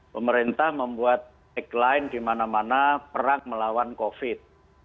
pemerintah membuat tagline di mana mana perang melawan covid